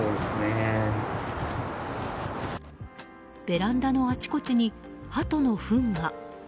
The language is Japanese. ベランダのあちこちにハトのフンが。